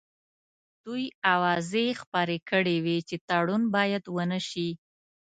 دوی اوازې خپرې کړې وې چې تړون باید ونه شي.